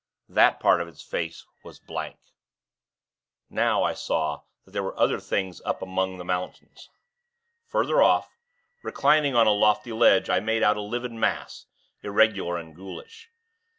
That part of its face was blank. Now, I saw that there were other things up among the mountains. Further off, reclining on a lofty ledge, I made out a livid mass, irregular and ghoulish.